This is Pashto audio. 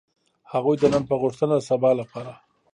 هغوی د نن په غوښتنه د سبا لپاره.